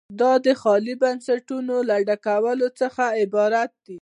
دا د خالي بستونو له ډکولو څخه عبارت دی.